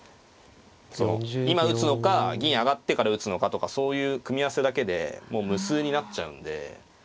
その今打つのか銀上がってから打つのかとかそういう組み合わせだけでもう無数になっちゃうんで。